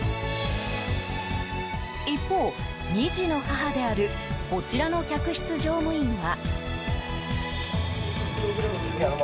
一方、２児の母であるこちらの客室乗務員は。